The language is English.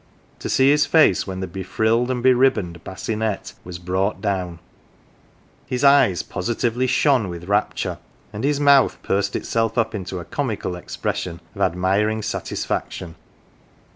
To see his face when the be frilled and be ribboned "bassinette"" was brought down ! His eyes posi tively shone with rapture, and his mouth pursed itself up into a comical expression of admiring satisfaction.